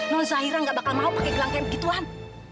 nun zahira gak bakal mau pake gelang kayak begituan